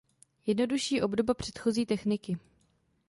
Jednodušší obdoba předchozí techniky.